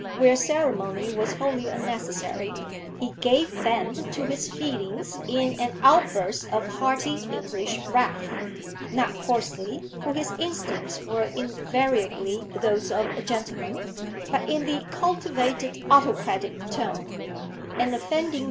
Where ceremony was wholly unnecessary, he gave vent to his feelings in an outburst of hearty English wrath, not coarsely, for his instincts were invariably those of a gentleman, but in the cultivated autocratic tone; an offending.